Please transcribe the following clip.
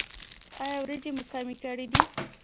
ایا وریجې مو کمې کړي دي؟